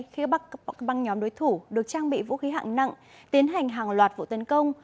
khi băng nhóm đối thủ được trang bị vũ khí hạng nặng tiến hành hàng loạt vụ tấn công